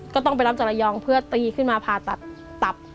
ก็ต้องไปรับจากระยองเพื่อตีขึ้นมาผ่าตัดตับ